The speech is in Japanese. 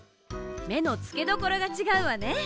めのつけどころがちがうわね！